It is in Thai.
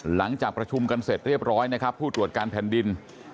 หลังจากประชุมกันเสร็จเรียบร้อยนะครับผู้ตรวจการแผ่นดิน